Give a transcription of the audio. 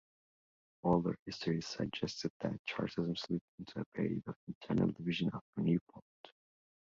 Older histories suggested that Chartism slipped into a period of internal division after Newport.